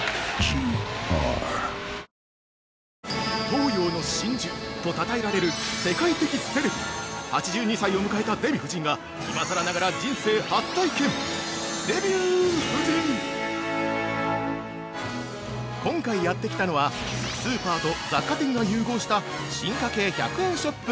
東洋の真珠とたたえられる世界的セレブ、８２歳を迎えたデヴィ夫人が今さらながら人生初体験、「デビュー夫人」今回やってきたのは、スーパーと雑貨店が融合した進化系１００円ショップ